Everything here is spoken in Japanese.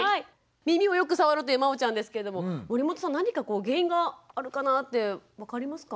耳をよく触るというまおちゃんですけれども守本さん何か原因があるかなぁって分かりますか？